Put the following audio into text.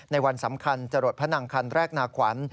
ในวันสำคัญจรดพระนังคันแรกนาขวัญ